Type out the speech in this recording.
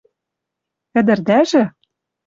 Ӹдӹрдӓжӹ?